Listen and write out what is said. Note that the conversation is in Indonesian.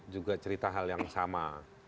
juga cerita hal yang sama